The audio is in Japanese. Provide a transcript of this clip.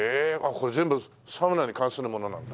これ全部サウナに関するものなんだ。